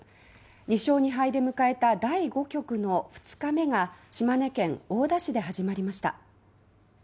２勝２敗で迎えた第５局の２日目が島根県大田市で始まりました。